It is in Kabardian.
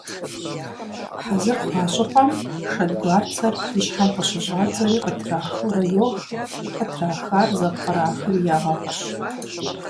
Хьэзыр хъуа щӀыпӀэм шэдгуарцэр и щхьэм къыщыщӏадзэри къытрахыурэ йох, къытрахар зэпкърахри ягъэгъущ.